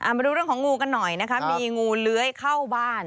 มาดูเรื่องของงูกันหน่อยนะคะมีงูเลื้อยเข้าบ้าน